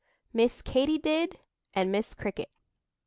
MISS KATY DID AND MISS CRICKET.